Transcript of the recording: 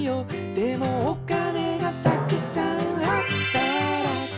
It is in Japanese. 「でもお金がたくさんあったら」